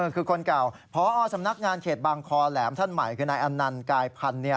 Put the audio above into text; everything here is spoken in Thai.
คือคนเก่าพอสำนักงานเขตบางคอแหลมท่านใหม่คือนายอันนันต์กายพันธุ์